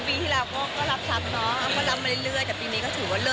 พี่เอสหลับคลับตั้งน้ำ